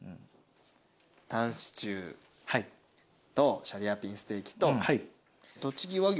タンシチューとシャリアピンステーキととちぎ和牛